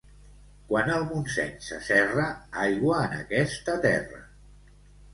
Quan el Montseny se serra, aigua en aquesta terra.